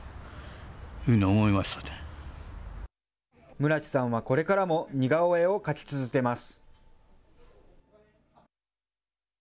村木さんはこれからも似顔絵を描き続けます